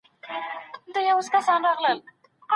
آيا نفقه پر خاوند باندي واجبه ده؟